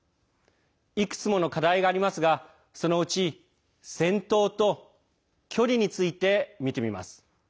いくつもの課題がありますがそのうち戦闘と距離について見てみます。